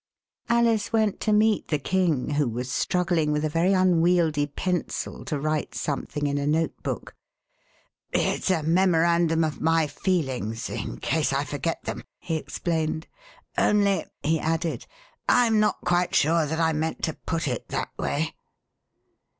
Alice went to meet the King, who was struggling with a very unwieldy pencil to write something in a notebook. It s a memorandum of my feelings, in case I forget them," he explained. Only," he added, •* Tm not quite sure that I meant to put it that way."